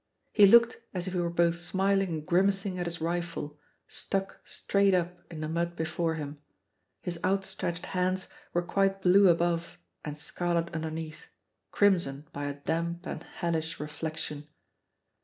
He looked as if he were both smiling and grimacing at his rifle, stuck straight up in the mud before him. His outstretched hands were quite blue above and scarlet underneath, crimsoned by a damp and hellish reflection.